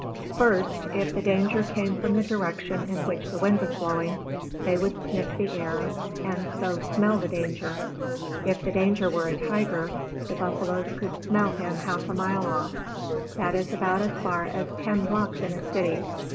First, if the danger came from the direction in which the wind was blowing, they would sniff the air, and so smell the danger. If the danger were a tiger, the buffaloes could smell him half a mile off; that is about as far as ten blocks in a city.